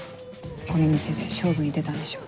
この店で勝負に出たんでしょう。